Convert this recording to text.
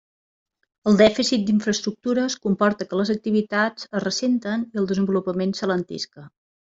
El dèficit d'infraestructures comporta que les activitats es ressenten i el desenvolupament s'alentisca.